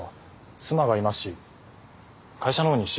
妻がいますし会社の方に知れるのも。